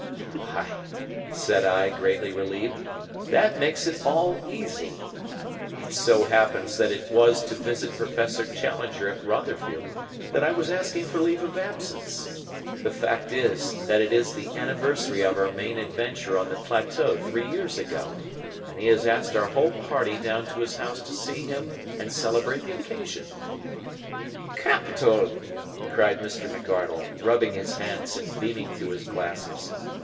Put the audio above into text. "Why," said I, greatly relieved, "this makes it all easy. It so happens that it was to visit Professor Challenger at Rotherfield that I was asking for leave of absence. The fact is, that it is the anniversary of our main adventure on the plateau three years ago, and he has asked our whole party down to his house to see him and celebrate the occasion." "Capital!" cried McArdle, rubbing his hands and beaming through his glasses.